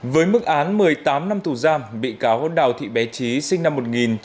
với mức án một mươi tám năm thù giam bị cáo hôn đào thị bé trí sinh năm một nghìn chín trăm tám mươi bốn